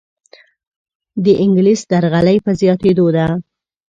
دانګلیس درغلۍ په زیاتیدو ده.